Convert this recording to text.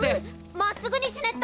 まっすぐにしねっと。